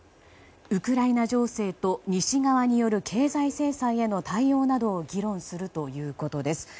ウクライナ情勢と西側による経済制裁の対応などを議論するということです。